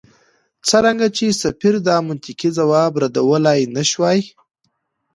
څرنګه چې سفیر دا منطقي ځواب ردولای نه شوای.